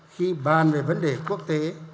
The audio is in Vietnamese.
khi bàn về vấn đề quốc tế